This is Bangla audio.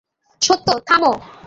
সত্য, থামো!